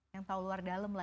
yang tahu luar dalam lah